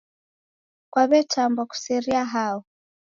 Kwaw'etambwa kuseria hao?